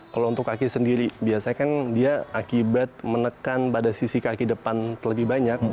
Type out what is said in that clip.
kalau untuk kaki sendiri biasanya kan dia akibat menekan pada sisi kaki depan terlebih banyak